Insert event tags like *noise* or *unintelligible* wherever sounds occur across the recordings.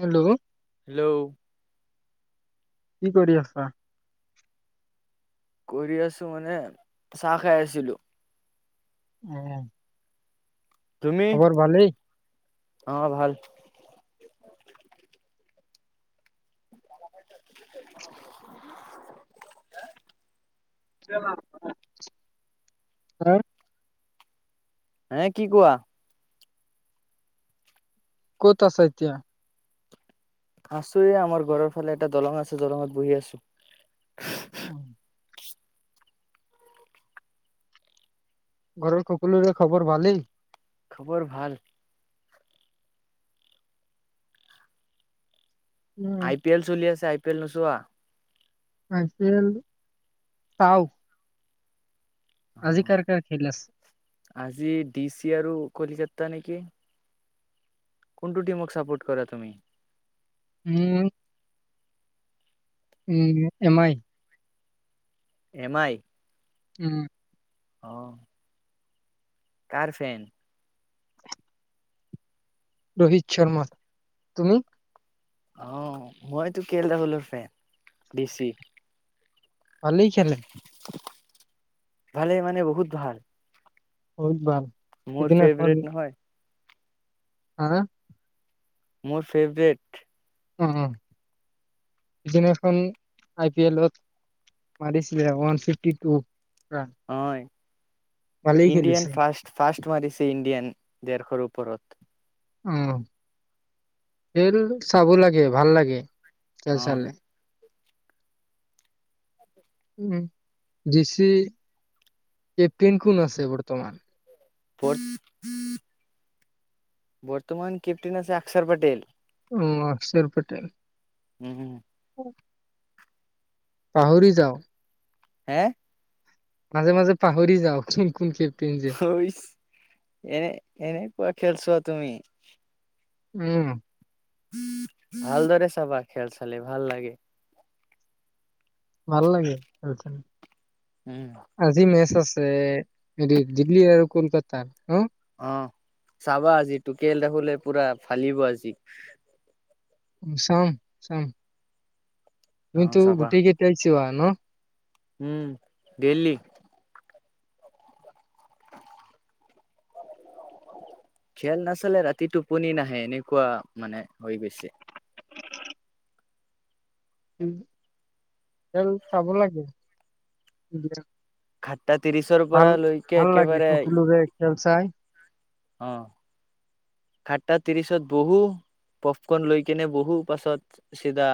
Hello hello কি কৰি আছা কৰি আছো মানে চাহ খাই আছিলো উম তুমি? খবৰ ভালেই অ ভাল *inaudible* হুম হে কি কোৱা ক'ত আছা এতিয়া আছো এই আমাৰ ঘৰৰ ফালে এটা দলং আছে দলঙত বহি আছো উ ঘৰৰ সকলোৰে খবৰ ভালেই খবৰ ভাল উম আই পি এল চলি আছে আই আই পেল নছোোৱা আই পি এল চাও আজি কাৰ কাৰ খেল আছে আজি ডিচি আৰু কলিকতা নেকি কোনটো টিমক ছাপোৰ্ট কৰাা তুমি ঊ উ এমাই এমাই উম অহ কাৰ ফ্ৰেইদ ৰোহিত শৰ্মা তুমি অ মইতো কে এল হলো ফ্ৰেদ ডিচি ভাই খেলে ভালে মানে বহুত ভাল বওত ভাল মোৰ সিদিনাখন ফেভট নহয় হা মোৰ ফেভৰেট উ সিদিখন আই পি এলত মাৰিছিলে ওৱান ফিফটি টু ৰান। হয় ভালেই ইণ্ডিয়ান খেলিছে। ফাৰ্ষ্ট ফাষ্ট ৱাদি ইণ্ডিয়ান ডেৰশৰ ওপৰত উ খেল চাব লাগে ভাল লাগে অ খেলচালে উম জিষি এ কেপ্টেন কোন আছে বৰ্তমান *unintelligible* বৰ্তমান কেপ্টেন আছে আকসৰ পটেল অ অক্ষৰ পটেেল উম হু *unintelligible* পাহৰি যাওঁ হে মাজে মাজে পাহৰি যাওঁ কোন কোন খেল *unintelligible* এনে এনেকুৱা খেলছোৱা তুমি উম ভালদৰে চাবা খেল চালে ভাল লাগে ভাল লাগে খেল উম আজি মেছ আছে হৰি দিল্লী আৰু কলকাতাৰ হ অ চাবা আজি টোকেেল দেখলে পুৰা ফালিব আজি উ চাম-চাম অ তুমি তো চাবা গুটেই ঘতিয়া শিৱা হ ন উম দেললি খেল নাচালে ৰাতিটো পনি নাহে এনেকুৱা মানে হৈ গৈছে। উ চাব লাগে। খাট্টা ত্ৰিশৰ ভাল পৰা লৈকে ভাল লাগে একেবাৰে সকলোৰে খেল চাই। অ সাতটা ত্ৰিশত বহো পপকন লৈ কেনে বহো পাছত চিধা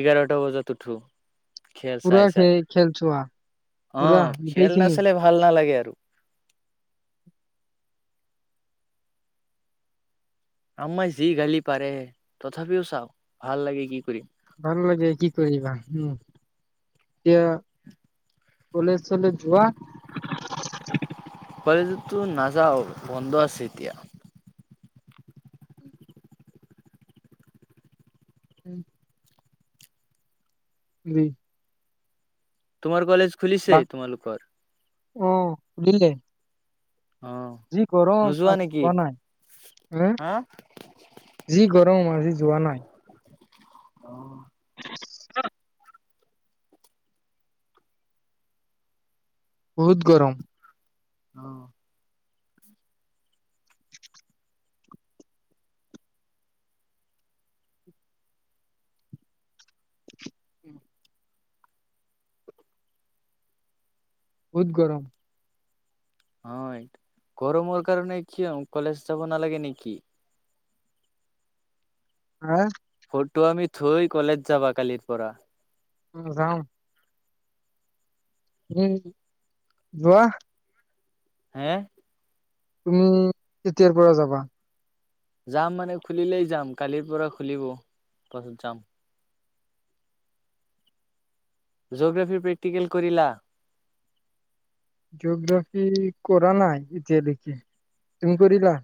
এঘাৰটা বজাত উঠো খেল পুৰা চাই খে চাই খেল চোৱা অ পুৰা খেল গোটেইখিনি। নাচালে ভাল নালাগে আৰু *inaudible* আমাই যি গালি পাৰে তথাপিও চাও ভাল লাগে কি কৰিম। ভাল লাগে কি কৰিবা উম এতিয়া কলেজ চলে যোৱা কলেজো নাযাওঁ বন্ধ আছে এতিয়া উম উ তোমাৰ কলেজ খুলিছে তোমালোকৰ অ সুধিল দে অ যি গৰম নোযোৱা আজি নেকি পোৱা নাই হ হা যি গৰম মজি যোৱা নাই। অহ অ বহুত গৰম আহ উম বহুত গৰম অইত গৰমৰ কাৰণে কি অ কলেজ যাব নালাগে নেকি? হা তটো আমি থৈ কলেজ যাবা কালিৰ পৰা উম যাও যোৱা হে তুমি তেতিয়াৰ পৰা যাবা যাম মানে খুলিলেই যাম কালিৰ পৰা খুলিব পাছত যাম জ'গ্ৰাফি প্ৰেক্টিকেল কৰিলা জগ্ৰাফিৰ কৰা নাই এতিয়ালৈকে তুমি কৰিলা।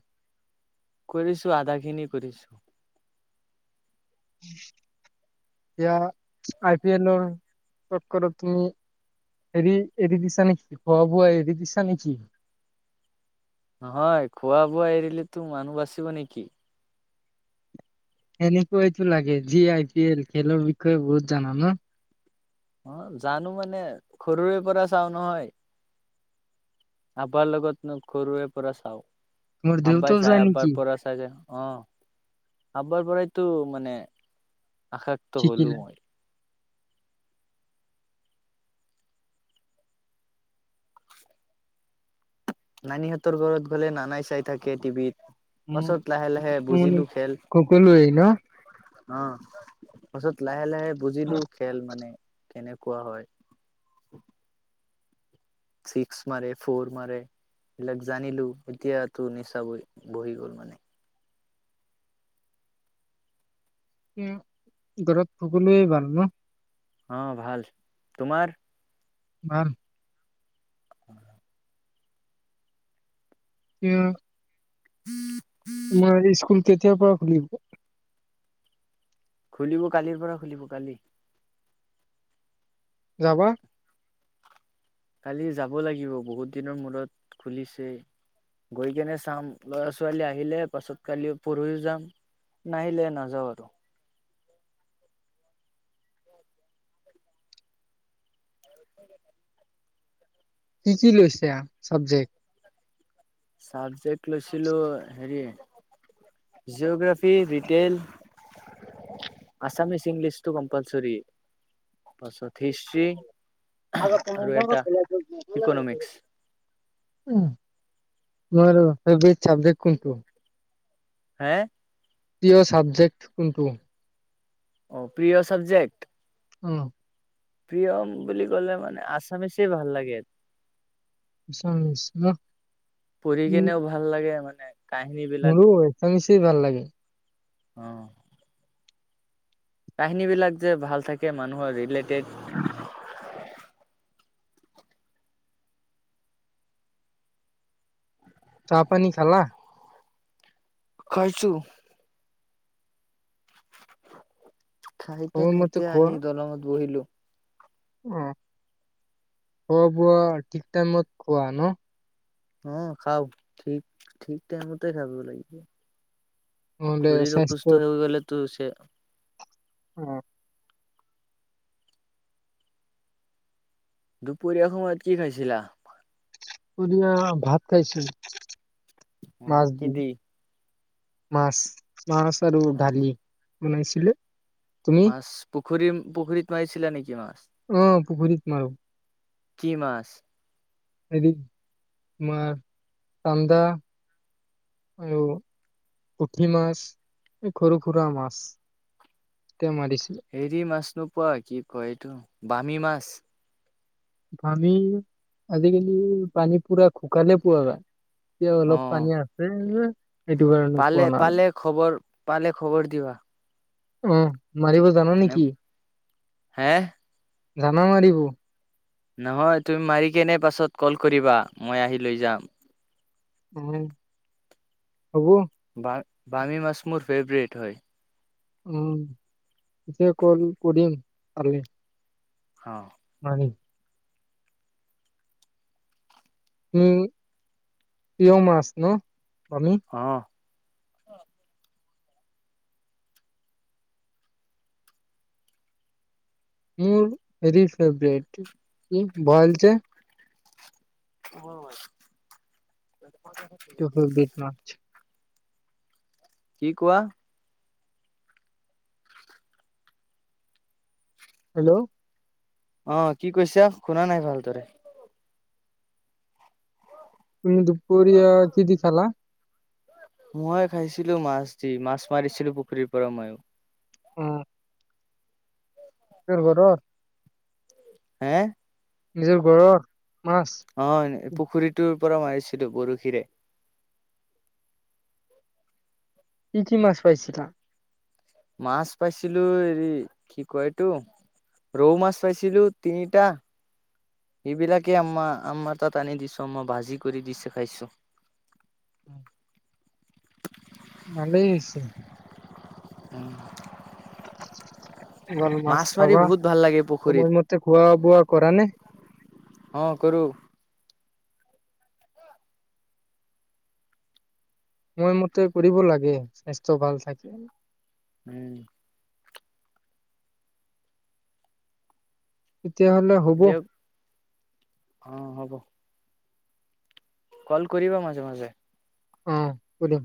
কৰিছো আধা খিনি কৰিছো। এতিয়া আই পি এলৰ তৎকত তুমি হেৰি এৰি দিছা নেকি খোৱা বোৱা এৰি দিছা নেকি নহয় খোৱা বোৱা এৰিলে তো মানুহ বাচিব নেকি। সেনেকুৱাইটো লাগে যি আই পি এল খেলৰ বিষয়ে বহুত জানা ন অ জানো মানে সৰুৰে পৰা চাও নহয় আবাৰ লগত সৰুৰে পৰা চাও। তোমাৰ আব্বাই দেউতাও চাই যায় আব্বাৰ নেকি পৰা চাই যে অ আব্বাৰ পৰাইতো মানে আশেপটো হ'লোও শিকিলা মই নানীহঁতৰ ঘৰত গ'লে নানাই চাই থাকে টিভিত উ পাছত লাহে লাহে মান বুজিলো খেল সকলোৱেই ন অ পাছত লাহে-লাহে বুজিলো খেল মানে কেনেকুৱা হয়। ছিক্স মাৰে ফৰ মাৰে এইবিলাক জানিলো এতিয়াতো নিচা বহ বহি গ'ল মানে উম ঘৰত ফুগলে ভাল ন? অ ভাল তোমাৰ। বান *unintelligible* উম *unintelligible* মই এৰি স্কুল কেতিয়াৰ পৰা খুলিব খুলিব কালিৰ পৰা খুলিব কালি যাবা কালি যাব লাগিব বহুত দিনৰ মূৰত খুলিছে গৈ কেনে চাম লৰা ছোৱালী আহিলে পাছত কালি পৰহিও যাম নাহিলে নাযাওঁ আৰু *unintelligible* কি কি লৈছা চাবজেক্ট চাবজেক্ লৈছিলো হেৰি জগ্ৰাফি, ৰিটেইল, আছামিচ, ইংলিছটো কম্পালচৰি পাছত হিষ্ট্ৰি আৰু এটা ইকনমিক্স উম তোমাৰ *unintelligible* চাবজেক্ট কোনটো? হে প্ৰিয় ছাবজেক্ট কোনটো? অ প্ৰিয় চাবজেক্ট? অ প্ৰিয়ম বুলি ক'লে মানে আছামিছে ভাল লাগে। আছামিজ ন পঢ় উম, কেনেও ভাল লাগে মা মোৰো একামিশেই ভাল লাগে। অ কাহিনী বিলাক যে ভাল থাকে মানুহৰ ৰিলেট তে চাহ পানী খালালা খৰ্ছো খাই কেনে সময়মতে এতিয়া খোৱা আহি দলঙত বহিলো অ খোৱা বোৱা ঠিক টাইমত খোৱা ন অ খাও ঠিক-ঠিক টাইমতেই খাব লাগিব। অলে সংস্ক ইটো হৈছে অ। দুপৰীয়া সমত কি খাইছিলা। পুডিং আৰু ভাত খাইছিলোঁ। অ', কি দি। মাছ মাছ আৰু অ ডালি বনাইছিলে। তুমি মাছ পু পুখুৰীম-পুখুৰীত মাৰিছিলা, নেকি মা অ', পুখুৰীত মাৰো। কি মাছ। হেৰি, তোমাৰ চান্দা আৰু পুঠি মাছ, সৰু-সুৰা মাছ মাৰিছিলো হেৰি, মাছ নোপোৱা। কি কয় ইটো বামী মাছ। বামী, আজিকালি পানী পুৰা শুকালে পুৰা। এতিয়া অলপ পানী আছে। এ পালে-পালে খবৰ পালে খবৰ দিবা। উম। মাৰিব জানা মানে নেকি। হে জানা মাৰিব। নহয়, তুমি মাৰি কেনে পাছত কল কৰিবা। মই আহি লৈ যাম। উম, হ'ব। বা-বামী মাছ মোৰ ফেভৰেট হয়। উম, পিছে কল কৰিম কালি। অ। উম। উ, প্ৰিয় মাছ ন বামী। অ। মোৰ হেৰি ফেভৰেট, এ বৰাইল যে। হয়। এইটো *unintelligible* কি কোৱা। হেল্ল। অ', কি কৈছা, শুনা নাই ভালদৰে। তুমি, দুপৰীয়া কি দি খালা। ময়, খাইছিলোঁ মাছ দি। মাছ মাৰিছিলোঁ পুখুৰীৰ পৰা ম‌ইয়ো। অ। তোৰ ঘৰৰ হে নিজৰ ঘৰৰ মাছ অ পুখুৰীটোৰ পৰা মাৰিছিলোঁ বৰশীৰে কি কি মাছ পাইছিলা? মাছ পাইছিলোঁ হেৰি কি কয়, এইটো ৰৌ মাছ পাইছিলো তিনিটা। এইবিলাকে আমা আমাৰ তাত আনি দিছোঁ মোক ভাজি কৰি দিছে, খাইছোঁ। ভালেই হৈছে। *unintelligible* এইবাৰ মাছ মাৰি খাবা? বহুত ভাল লাগে পুখুৰীত সময়মতে খোৱা বোৱা কৰা নে? অ কৰো সময়মতে কৰিব লাগে, স্বাস্থ্য ভাল থাকে। উম তেতিয়াহ'লে হ'ব। দিয়ক অ হ'ব কল কৰিবা মাজে মাজে। অ হ'ব দিয়ক।